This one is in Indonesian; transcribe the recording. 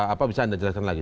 apa bisa anda jelaskan lagi